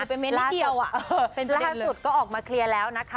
เป็นเม้นท์นิดเดียวอ่ะเป็นประเด็นเลยล่าสุดก็ออกมาเคลียร์แล้วนะคะ